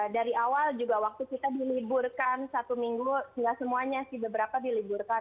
dari awal juga waktu kita diliburkan satu minggu nggak semuanya sih beberapa diliburkan